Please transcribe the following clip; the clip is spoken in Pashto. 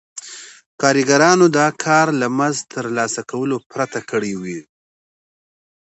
کارګرانو دا کار له مزد ترلاسه کولو پرته کړی وي